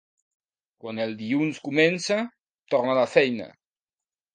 Quan el dilluns comença, torna a la feina.